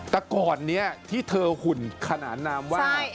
แต่ก่อนนี้ที่เธอหุ่นขนานนามว่า